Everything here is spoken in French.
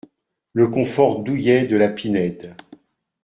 le confort douillet de la Pinède.